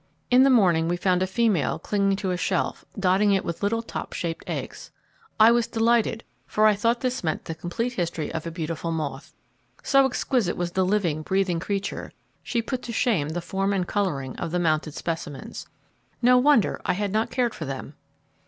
In the morning we found a female clinging to a shelf, dotting it with little top shaped eggs. I was delighted, for I thought this meant the complete history of a beautiful moth. So exquisite was the living, breathing creature, she put to shame the form and colouring of the mounted specimens. No wonder I had not cared for them!